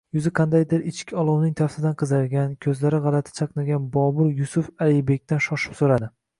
Yuzi qandaydir ichki olovning taftidan qizargan, koʻzlari gʻalati chaqnagan Bobur Yusuf Alibekdan shoshib soʻradi.